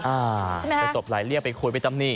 อ่าไปตบไหลเรียกไปคุยไปตำหนิ